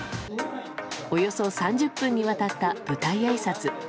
およそ３０分にわたった舞台あいさつ。